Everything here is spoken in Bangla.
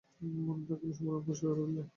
মনের দাগগুলি সম্পূর্ণরূপে পরিষ্কার করে ফেল।